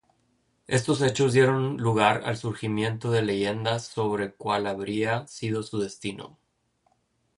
Estos hechos dieron lugar al surgimiento de leyendas sobre cuál habría sido su destino.